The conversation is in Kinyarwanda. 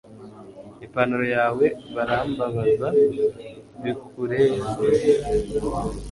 ipantaro yawe, barambabaza bikureho